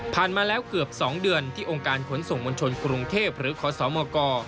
มาแล้วเกือบ๒เดือนที่องค์การขนส่งมวลชนกรุงเทพหรือขอสมก